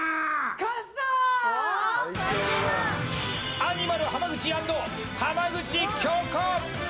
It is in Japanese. アニマル浜口＆浜口京子！